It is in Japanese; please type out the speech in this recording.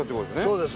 そうです。